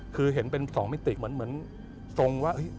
คือเห็นเป็น๒มิติเหมือนทรงว่า